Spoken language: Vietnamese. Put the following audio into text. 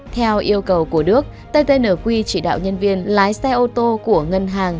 theo yêu cầu của đước tnq chỉ đạo nhân viên lái xe ô tô của ngân hàng